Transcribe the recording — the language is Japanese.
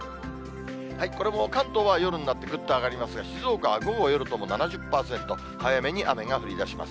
これも関東は夜になってぐっと上がりますが、静岡は午後、夜とも７０％、早めに雨が降り出します。